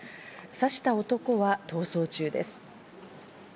刺した男は逃走中です。